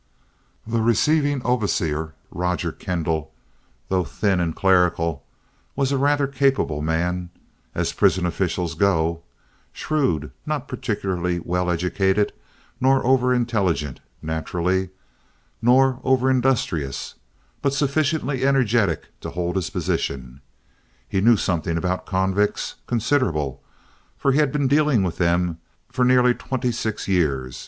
The receiving overseer, Roger Kendall, though thin and clerical, was a rather capable man, as prison officials go—shrewd, not particularly well educated, not over intelligent naturally, not over industrious, but sufficiently energetic to hold his position. He knew something about convicts—considerable—for he had been dealing with them for nearly twenty six years.